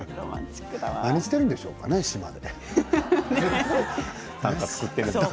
何をやっているんでしょうね、島で。